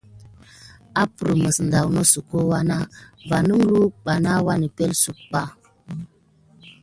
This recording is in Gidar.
Apprem mis neda nosuko wana va nəngluwek ɓa na wannəsepsuk ɓa.